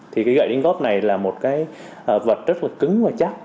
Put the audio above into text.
thì cái gậy đánh góp này là một cái vật rất là cứng và chắc